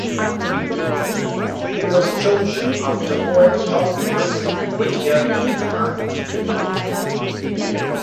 He was chosen after poet John Greenleaf Whittier declined.